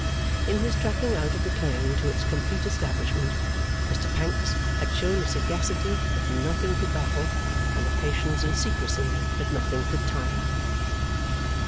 In his tracking out of the claim to its complete establishment, Mr Pancks had shown a sagacity that nothing could baffle, and a patience and secrecy that nothing could tire.